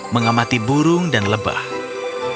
mengamati burung dan rumput liar yang mengejar